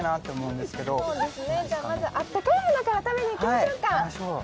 では、まずあったかいものから食べに行きましょうか。